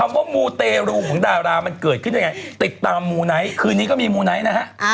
พูดเตรูของดารามันเกิดขึ้นยังไงติดตามหมู่ไหนคืนนี้ก็มีหมู่ไหนนะฮะ